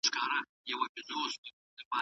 لنډمهاله فشار تمرکز زیاتوي.